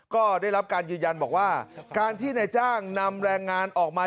ก็ได้รับการยืนยันบอกว่าการที่นายจ้างนำแรงงานออกมา